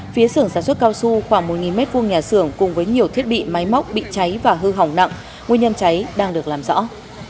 phía xưởng sản xuất cao su khoảng một m hai nhà xưởng cùng với nhiều thiết bị máy móc bị cháy và hư hỏng nặng nguyên nhân cháy đang được làm rõ